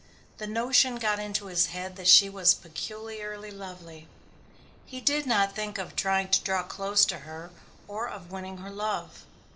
The notion got into his head that she was peculiarly lovely. He did not think of trying to draw close to her or of winning her love.